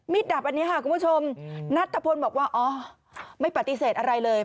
ดับอันนี้ค่ะคุณผู้ชมนัทธพลบอกว่าอ๋อไม่ปฏิเสธอะไรเลย